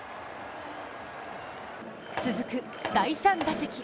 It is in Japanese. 続く第３打席。